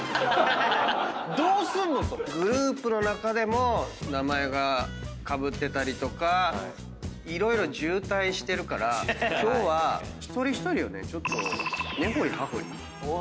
どうすんの⁉グループの中でも名前がかぶってたりとか色々渋滞してるから今日は一人一人をねちょっと根掘り葉掘り。